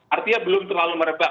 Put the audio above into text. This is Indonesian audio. artinya belum terlalu merebak